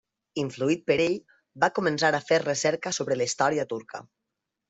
Influït per ell, va començar a fer recerca sobre la història turca.